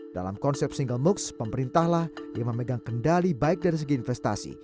dalam konsep single moocs pemerintahlah yang memegang kendali baik dari segi investasi